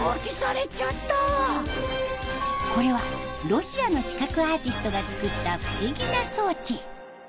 これはロシアの視覚アーティストが作った不思議な装置。